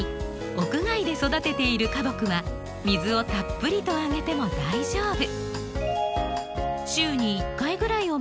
屋外で育てている花木は水をたっぷりとあげても大丈夫。